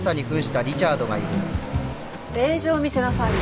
令状見せなさいよ。